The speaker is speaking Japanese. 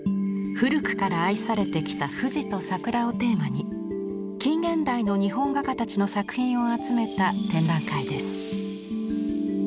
古くから愛されてきた富士と桜をテーマに近現代の日本画家たちの作品を集めた展覧会です。